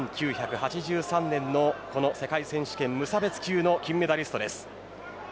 １９８３年の世界選手権の無差別級の金メダリストです。